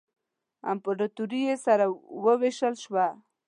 امپراطوري یې سره ووېشل شوه.